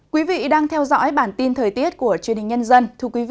quý vị đang theo dõi bản tin thời tiết của truyền hình nhân dân